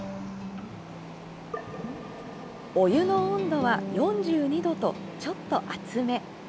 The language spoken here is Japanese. お湯の温度は４２度とちょっと熱め。